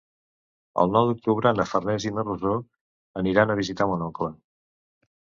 El nou d'octubre na Farners i na Rosó aniran a visitar mon oncle.